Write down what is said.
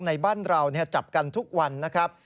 ในบ้านเราจับกันทุกวันนะครับ